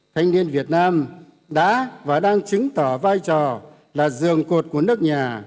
thanh niên việt nam đã và đang chứng tỏ vai trò là giường cột của nước nhà